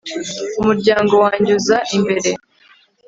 umuryango wanjye uza imbere